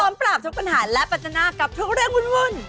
ปราบทุกปัญหาและปัจจนากับทุกเรื่องวุ่น